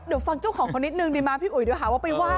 เดี๋ยวฟังเจ้าของเขานิดนึงดีมั้พี่อุ๋ยเดี๋ยวหาว่าไปไห้